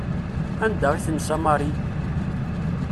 Anda i tensa Mary?